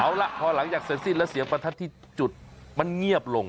เอาล่ะพอหลังจากเสร็จสิ้นแล้วเสียงประทัดที่จุดมันเงียบลง